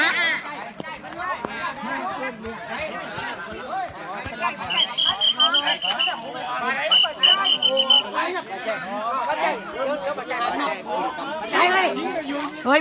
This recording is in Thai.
มีปืนไปเลย